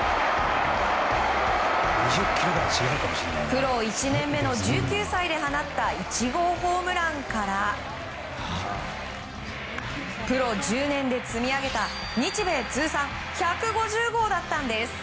プロ１年目の１９歳で放った１号ホームランからプロ１０年で積み上げた日米通算１５０号だったんです。